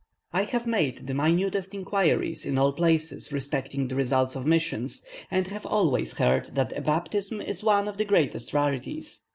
I have made the minutest inquiries in all places respecting the results of missions, and have always heard that a baptism is one of the greatest rarities.